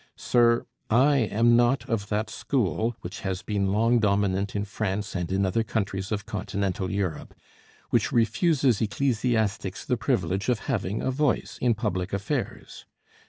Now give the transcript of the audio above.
Sir, I am not of that school which has been long dominant in France and other countries of Continental Europe, which refuses ecclesiastics the privilege of having a voice in public affairs.